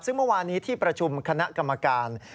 ซึ่งเมื่อวานนี้ที่ประชุมคณะกรรมการ